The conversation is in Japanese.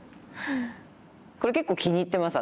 これ結構気に入ってます